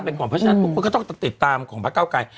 เพราะฉะนั้นทุกคนก็ต้องติดตามของพระเก้าไกร